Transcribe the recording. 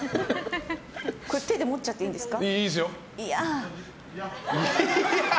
手で持っちゃっていいんですか。